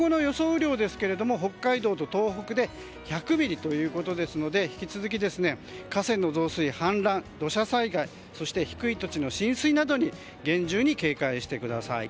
雨量ですが北海道と東北で１００ミリということですので引き続き、河川の増水、氾濫土砂災害そして、低い土地の浸水などに厳重に警戒してください。